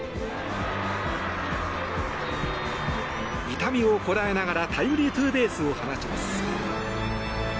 痛みをこらえながらタイムリーツーベースを放ちます。